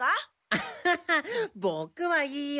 アハハボクはいいよ。